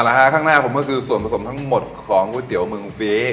นะฮะข้างหน้าผมก็คือส่วนผสมทั้งหมดของก๋วยเตี๋ยวเมืองฟี